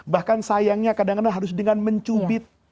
bahkan sayangnya kadang kadang harus dengan mencubit